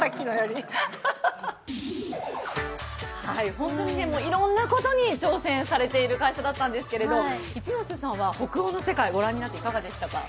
本当にいろんなことに挑戦されている会社だったんですけど一ノ瀬さんは北欧の世界ご覧になっていかがでしたか？